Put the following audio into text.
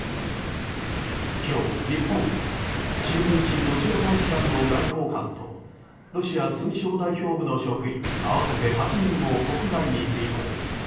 今日、日本は駐日ロシア大使館の外交官とロシア通商代表部の職員合わせて８人を国外に追放。